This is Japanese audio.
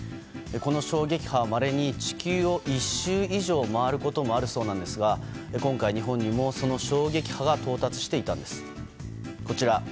この衝撃波はまれに地球を１周以上まわることもあるそうなんですが今回、日本にもその衝撃波が到達していたんです。